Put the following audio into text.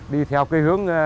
đi theo cây hướng